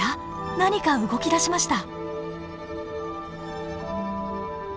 何か動き出しました。